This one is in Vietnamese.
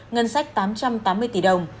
ngân sách tám trăm tám mươi tỷ đồng